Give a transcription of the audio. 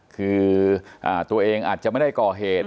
คือตัวเองอาจจะไม่ได้ก่อเหตุ